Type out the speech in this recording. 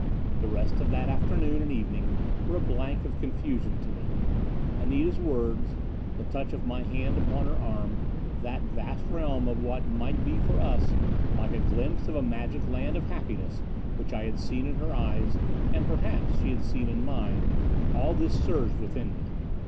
The rest of that afternoon and evening were a blank of confusion to me. Anita's words; the touch of my hand upon her arm; that vast realm of what might be for us, like a glimpse of a magic land of happiness which I had seen in her eyes, and perhaps she had seen in mine all this surged within me.